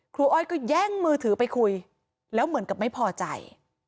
อ้อยก็แย่งมือถือไปคุยแล้วเหมือนกับไม่พอใจ